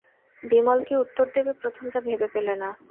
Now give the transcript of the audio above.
বিমল কী উত্তর দেবে প্রথমটা ভেবে পেলে না।